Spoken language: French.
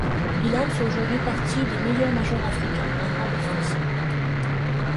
Bilal fait aujourd'hui partie des meilleurs nageurs africains, arabes et français.